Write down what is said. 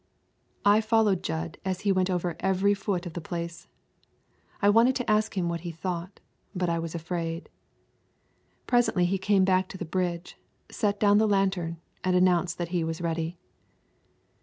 I followed Jud as he went over every foot of the place. I wanted to ask him what he thought, but I was afraid. Presently he came back to the bridge, set down the lantern, and announced that he was ready.